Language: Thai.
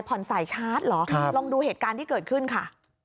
สายชาร์จเหรอลองดูเหตุการณ์ที่เกิดขึ้นค่ะ